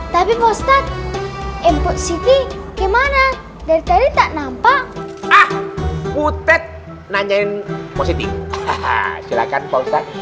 tapi ustadz input siti kemana dari tadi tak nampak ah butet nanyain positi silakan ustadz